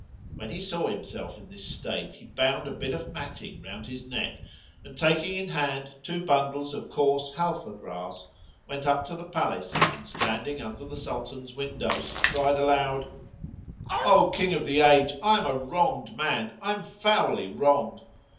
When he saw himself in this state, he bound a bit of matting[FN#35] round his neck and, taking in hand two bundles of coarse Halfah grass,[FN#36] went up to the palace and standing under the Sultan's windows cried aloud, "O King of the age, I am a wronged man! I am foully wronged!"